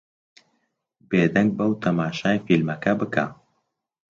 بێدەنگ بە و تەماشای فیلمەکە بکە.